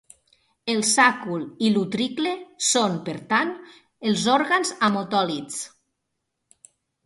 El sàcul i l'utricle, són per tant, els òrgans amb otòlits.